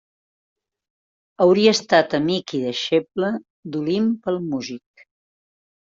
Hauria estat amic i deixeble d'Olimp el músic.